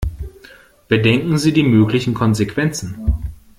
Bedenken Sie die möglichen Konsequenzen.